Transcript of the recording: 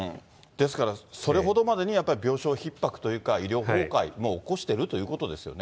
ですからそれほどまでにやっぱり病床ひっ迫というか、医療崩壊をもう起こしてるということですよね。